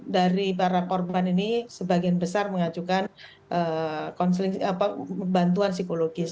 dari para korban ini sebagian besar mengajukan bantuan psikologis